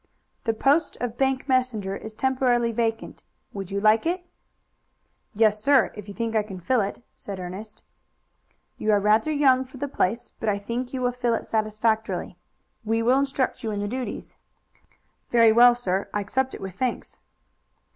"The post of bank messenger is temporarily vacant. Would you like it?" "Yes, sir, if you think I can fill it." "You are rather young for the place, but I think you will fill it satisfactorily. We will instruct you in the duties." "Very well, sir; I accept it with thanks."